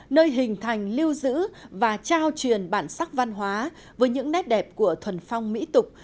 nơi hình thành lưu giữ và trao truyền bản sắc văn hóa với những nét đẹp của thuần phong mỹ tục